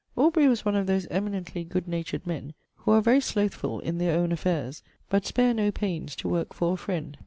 Aubrey was one of those eminently good natured men, who are very slothful in their own affairs, but spare no pains to work for a friend.